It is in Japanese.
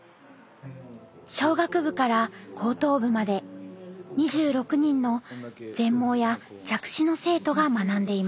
小学部から高等部まで２６人の全盲や弱視の生徒が学んでいます。